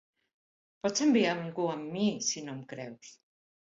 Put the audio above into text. Pots enviar a algú amb mi si no em creus!